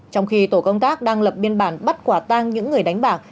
trong khi tổ công tác đang lập biên bản bắt quả tang những người đánh bạc